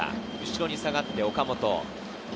後ろに下がって岡本。